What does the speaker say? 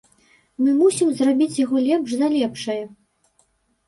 Мы мусім зрабіць яго лепш за лепшае.